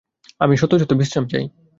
আমি সত্য সত্য বিশ্রাম চাই।